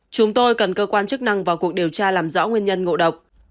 chúng tôi cần cơ quan chức năng vào cuộc điều tra làm rõ nguyên nhân ngộ độc